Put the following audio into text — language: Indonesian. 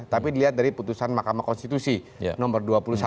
tapi dilihat dari putusan mahkamah konstitusi nomor dua puluh satu